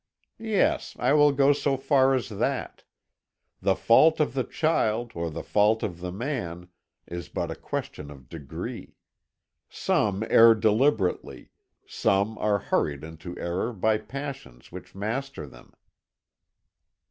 "Yes, I will go as far as that. The fault of the child or the fault of the man, is but a question of degree. Some err deliberately, some are hurried into error by passions which master them."